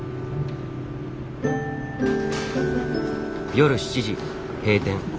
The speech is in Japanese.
夜７時閉店。